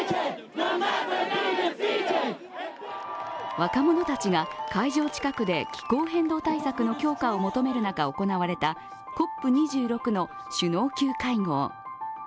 若者たちが会場近くで気候変動対策の強化を求める中、行われたＣＯＰ２６の首脳級会合。